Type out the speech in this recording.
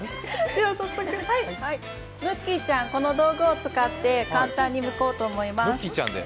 ムッキーちゃん、この道具を使って簡単にむいていこうと思います。